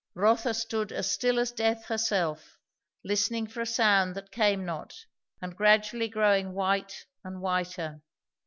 Rotha stood as still as death herself, listening for a sound that came not, and gradually growing white and whiter.